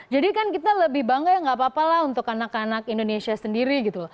jadi kan kita lebih bangga ya nggak apa apa lah untuk anak anak indonesia sendiri gitu